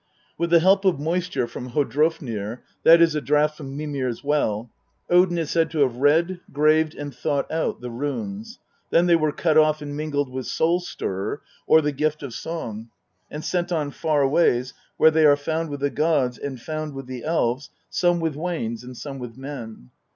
With the help of moisture from Hoddrofnir that is, a draught from Mimir's well Odin is said to have read, graved, and thought out the runes. Then they were cut off and mingled with Soul stirrer, or the gift of song, and " sent on far ways, where they are found with the gods, and found with the elves, some with Wanes, and some with men."